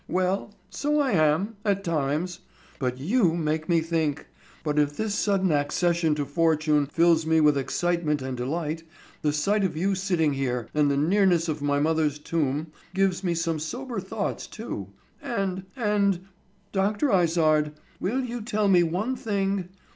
"Well, so I am, at times. But you make me think; and if this sudden accession to fortune fills me with excitement and delight, the sight of you sitting here, and the nearness of my mother's tomb, gives me some sober thoughts too, and—and—Dr. Izard, will you tell me one thing?